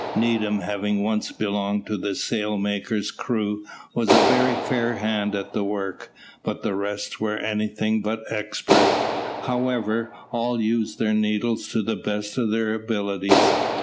Needham having once belonged to the sailmaker's crew, was a very fair hand at the work, but the rest were anything but expert. However, all used their needles to the best of their abilities.